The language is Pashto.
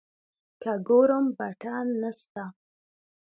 که ګورم بټن نسته.